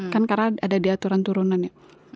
kan karena ada diaturan turunannya